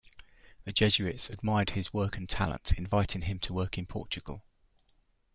The Jesuits admired his work and talent, inviting him to work in Portugal.